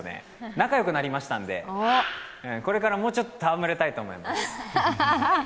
仲良くなりましたんでこれから、もうちょっと戯れたいと思います。